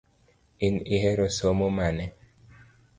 In ihero somo mane?